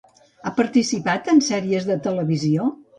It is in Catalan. Ha participat en sèries de televisió?